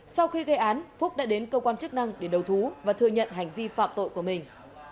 sau khi gây án phúc đã đến cơ quan chức năng để đầu thú và thừa nhận hành vi phạm tội của mình